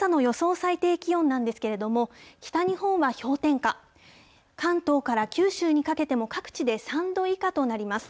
最低気温なんですけれども、北日本は氷点下、関東から九州にかけても各地で３度以下となります。